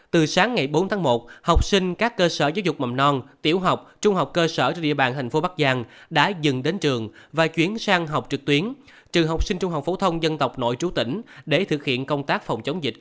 từ sáng ngày bốn tháng một học sinh các cơ sở giáo dục mầm non tiểu học trung học cơ sở trên địa bàn tp bắc giang đã dừng đến trường và chuyển sang học trực tuyến trường học sinh trung học phổ thông dân tộc nội trú tỉnh để thực hiện công tác phòng chống dịch covid một mươi chín